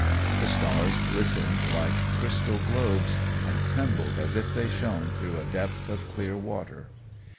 The stars glistened like crystal globes, and trembled as if they shone through a depth of clear water.